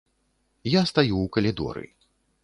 Я стаю ў калідоры.